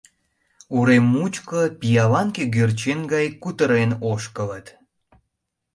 Урем мучко пиалан кӧгӧрчен гай кутырен ошкылыт.